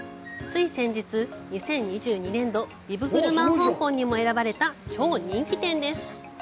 つい先日、２０２２年度「ビブグルマン香港」にも選ばれた超人気店です。